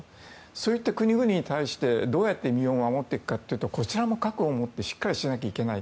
そういった国々に対しどうやって日本を守っていくかというとこちらも核を持ってしっかりしないといけない。